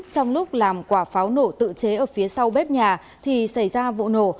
trong lúc làm quả pháo nổ tự chế ở phía sau bếp nhà thì xảy ra vụ nổ